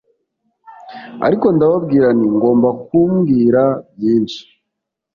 ariko ndamubwira nti Ngomba kumbwira byinshi